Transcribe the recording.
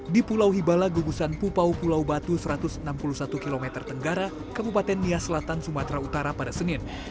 di pulau hibala gugusan pupau pulau batu satu ratus enam puluh satu km tenggara kabupaten nia selatan sumatera utara pada senin